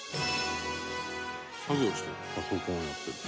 「作業してる」